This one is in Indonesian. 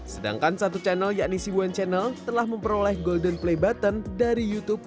sedangkan satu channel yakni si boen channel telah memperoleh golden play button dari youtube